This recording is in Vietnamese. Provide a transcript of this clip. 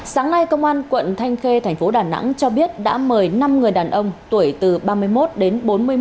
sáng nay công an quận thanh khê thành phố đà nẵng cho biết đã mời năm người đàn ông tuổi từ ba mươi một đến bốn mươi một